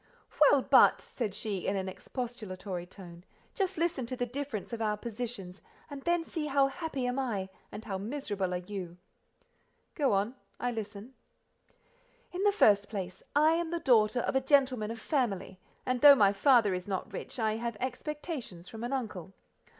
"Well, but," said she, in an expostulatory tone, "just listen to the difference of our positions, and then see how happy am I, and how miserable are you." "Go on; I listen." "In the first place: I am the daughter of a gentleman of family, and though my father is not rich, I have expectations from an uncle.